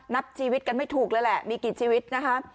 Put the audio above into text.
นับชีวิตกันไม่ถูกเลยแหละมีกี่ชีวิตนะคะ